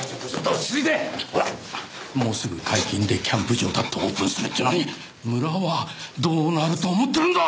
もうすぐ解禁でキャンプ場だってオープンするっていうのに村はどうなると思ってるんだ！？